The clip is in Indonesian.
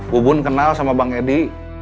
bubun kenal sama bang edi